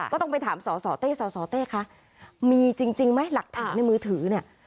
ก็ต้องไปถามสสเต้สสเต้คะมีจริงไหมหลักฐานในมือถือเนี่ย